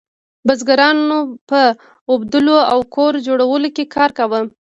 بزګرانو په اوبدلو او کور جوړولو کې کار کاوه.